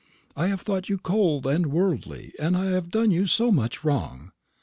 I have thought you cold and worldly. I have done you so much wrong."